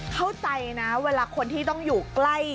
เข้าใจนะเวลาคนที่ต้องอยู่ใกล้